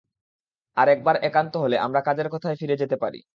আর একবার একান্ত হলে, আমরা কাজের কথায় ফিরে যেতে পারি।